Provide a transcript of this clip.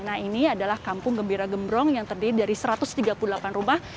nah ini adalah kampung gembira gembrong yang terdiri dari satu ratus tiga puluh delapan rumah